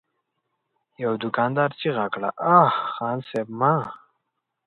يوه دوکاندار چيغه کړه: اه! خان صيب! مه!